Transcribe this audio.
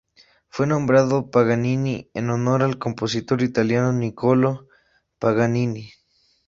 Fue nombrado Paganini en honor al compositor italiano Niccolò Paganini.